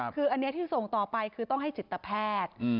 คืออันนี้ที่ส่งต่อไปคือต้องให้จิตแพทย์